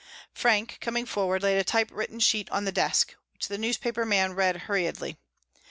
Frank, coming forward, laid a typewritten sheet on the desk, which the newspaper man read hurriedly.